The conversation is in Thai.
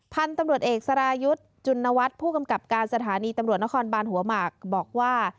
พันธุ์ตำรวจเอกสรายุทธ์จุณวัฒน์ผู้กำกับการสถานีตำรวจนครบานหัวหมากบอกว่า